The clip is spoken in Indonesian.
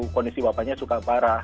kondisi bapaknya suka parah